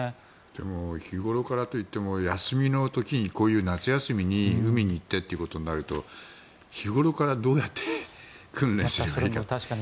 でも日頃からといっても休みの時に、こういう夏休みに海に行ってということになると日頃からどうやって訓練すればいいのか。